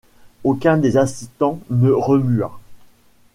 Aucun des assistants ne remua.